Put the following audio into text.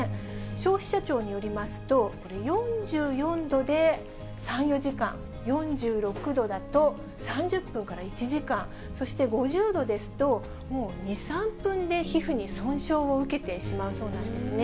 消費者庁によりますと、４４度で３、４時間、４６度だと３０分から１時間、そして５０度ですと、もう２、３分で皮膚に損傷を受けてしまうそうなんですね。